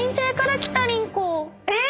え⁉